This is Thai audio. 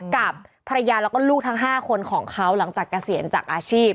กับภรรยาแล้วก็ลูกทั้ง๕คนของเขาหลังจากเกษียณจากอาชีพ